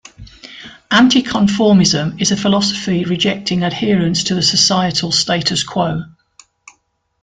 Anticonformism is a philosophy rejecting adherence to the societal status quo.